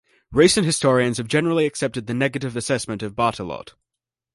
Recent historians have generally accepted the negative assessment of Barttelot.